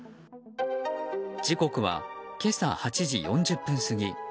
時刻は今朝８時４０分過ぎ。